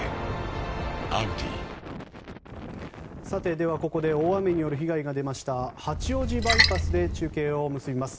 では、ここで大雨による被害が出ました八王子バイパスで中継を結びます。